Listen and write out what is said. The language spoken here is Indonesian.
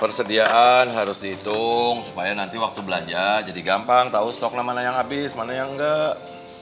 persediaan harus dihitung supaya nanti waktu belanja jadi gampang tahu stoknya mana yang habis mana yang enggak